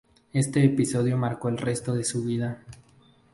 Este episodio marcó el resto de su vida.